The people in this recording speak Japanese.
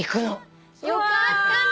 よかったね！